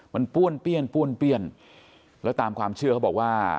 มันป้วนเปี้ยนป้วนเปี้ยนแล้วตามความเชื่อเขาบอกว่า